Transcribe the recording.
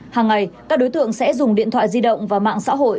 hàng ngày các đối tượng sẽ dùng điện thoại di động và mạng xã hội